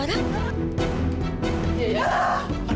aduh tante aku kenal aku kenal